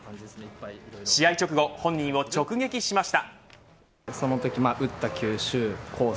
試合直後、本人を直撃しました。